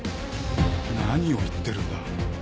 何を言ってるんだ。